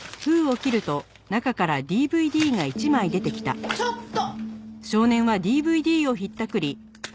ちょっちょっと！